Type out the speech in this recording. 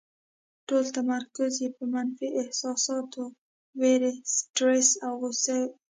ټول تمرکز یې په منفي احساساتو، وېرې، سټرس او غوسې وي.